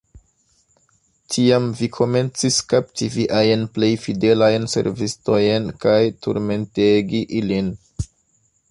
Tiam vi komencis kapti viajn plej fidelajn servistojn kaj turmentegi ilin.